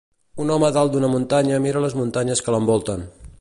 Un home dalt d'una muntanya mira les muntanyes que l'envolten.